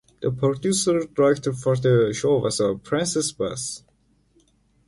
The producer-director for the show was Frances Buss.